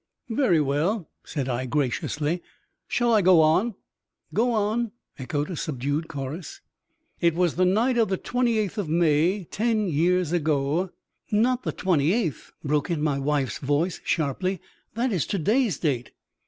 "Very well," said I, graciously; "shall I go on?" "Go on," echoed a subdued chorus. "It was the night of the twenty eighth of May, ten years ago " "Not the twenty eighth," broke in my wife's voice, sharply; "that is to day's date."